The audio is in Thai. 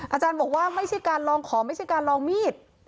อาจารย์บอกว่าไม่ใช่การลองของไม่ใช่การลองมีด